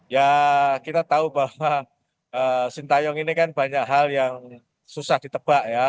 ya kita tahu bahwa sintayong ini kan banyak hal yang susah ditebak ya